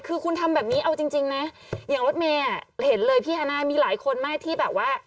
คือคุณทำแบบนี้เอาจริงนะอย่างรถเมย์เห็นเลยพี่ฮาน่ามีหลายคนมากที่แบบว่า